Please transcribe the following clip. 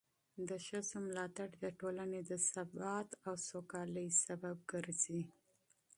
د ښځو ملاتړ د ټولنې د ثبات او سوکالۍ سبب ګرځي.